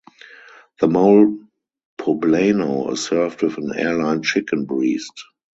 The mole poblano is served with an airline chicken breast.